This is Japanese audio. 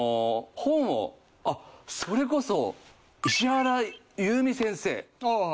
本をあっそれこそ石原結實先生。